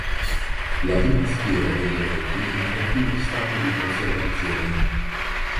La prima schiera degli eletti è in cattivo stato di conservazione.